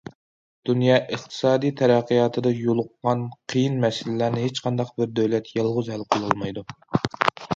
دۇنيا ئىقتىسادىي تەرەققىياتىدا يولۇققان قىيىن مەسىلىلەرنى ھېچقانداق بىر دۆلەت يالغۇز ھەل قىلالمايدۇ.